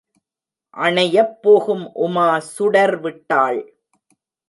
அணையப் போகும் உமா சுடர் விட்டாள்!